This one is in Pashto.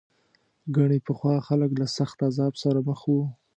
ګنې پخوا خلک له سخت عذاب سره مخ وو.